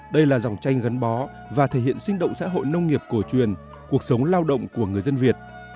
đây là dòng tranh gắn bó và thể hiện sinh động xã hội nông nghiệp cổ truyền cuộc sống lao động của người dân việt